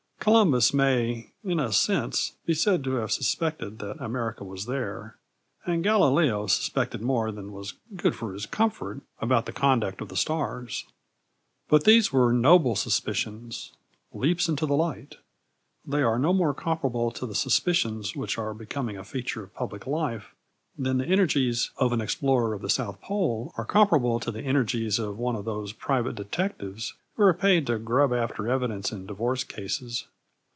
Columbus may, in a sense, be said to have suspected that America was there, and Galileo suspected more than was good for his comfort about the conduct of the stars. But these were noble suspicions leaps into the light. They are no more comparable to the suspicions which are becoming a feature of public life than the energies of an explorer of the South Pole are comparable to the energies of one of those private detectives who are paid to grub after evidence in divorce cases.